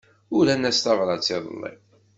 Uran-as tabrat iḍelli.